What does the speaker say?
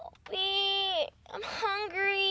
kopi i'm hungry